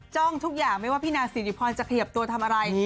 ทุกอย่างไม่ว่าพี่นางสิริพรจะขยับตัวทำอะไร